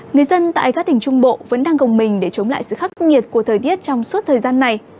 người dân tại các tỉnh trung bộ vẫn đang gồng mình để chống lại sự khắc nghiệt của thời tiết trong suốt thời gian này